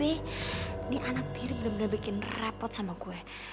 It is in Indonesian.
ini anak tiri bener bener bikin repot sama gue